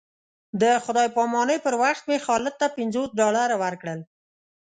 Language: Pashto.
د خدای په امانۍ پر وخت مې خالد ته پنځوس ډالره ورکړل.